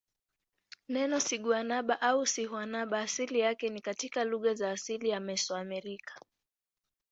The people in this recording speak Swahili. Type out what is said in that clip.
Neno siguanaba au sihuanaba asili yake ni katika lugha za asili za Mesoamerica.